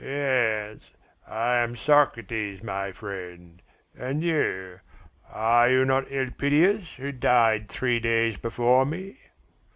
"Yes, I am Socrates, my friend, and you, are you not Elpidias who died three days before me?"